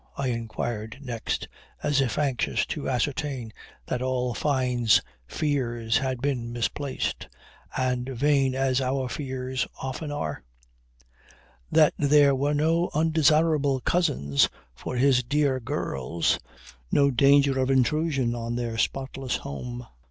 I inquired next as if anxious to ascertain that all Fyne's fears had been misplaced and vain as our fears often are; that there were no undesirable cousins for his dear girls, no danger of intrusion on their spotless home.